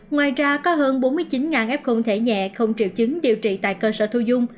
ngoài ra có hơn bốn mươi chín f thể nhẹ không triệu chứng điều trị tại cơ sở thu dung